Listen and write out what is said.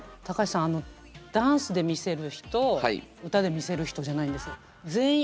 高橋さんあのダンスで魅せる人歌で魅せる人じゃないんです。